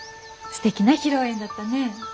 すてきな披露宴だったね。